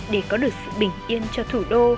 để có được sự bình yên cho thủ đô